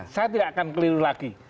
sampai akan keliru lagi